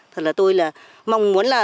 thật là tôi là mong muốn là